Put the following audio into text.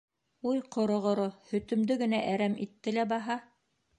Уй, ҡороғоро, һөтөмдө генә әрәм итте лә баһа.